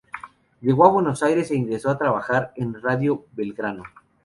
Llegó a Buenos Aires e ingresó a trabajar en Radio Belgrano.